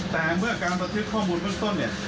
แต่เมื่อการบันทึกข้อมูลเบื้องต้นเนี่ย